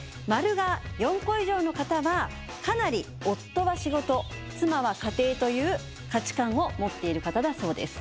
○が４個以上の方はかなり夫は仕事妻は家庭という価値観を持っている方だそうです。